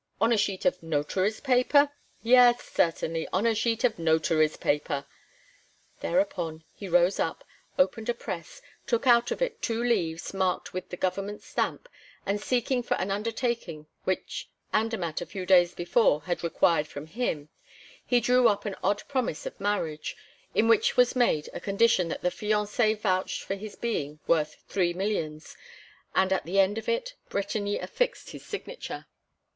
"On a sheet of notary's paper?" "Yes, certainly on a sheet of notary's paper!" Thereupon, he rose up, opened a press, took out of it two leaves marked with the Government stamp, and, seeking for the undertaking which Andermatt, a few days before, had required from him, he drew up an odd promise of marriage, in which it was made a condition that the fiancé vouched for his being worth three millions; and, at the end of it Bretigny affixed his signature.